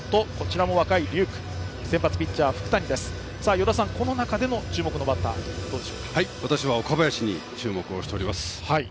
与田さん、この中で注目のバッターは私は岡林に注目しております。